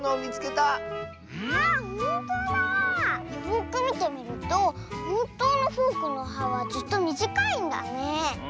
よくみてみるとほんとうのフォークの「は」はずっとみじかいんだねえ。